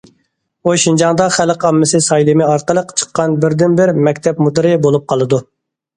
ئۇ شىنجاڭدا خەلق ئاممىسى سايلىمى ئارقىلىق چىققان بىردىن بىر مەكتەپ مۇدىرى بولۇپ قالىدۇ.